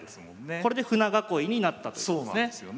これで舟囲いになったということですね。